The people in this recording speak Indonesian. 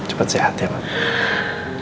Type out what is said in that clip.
cepat sehat ya bang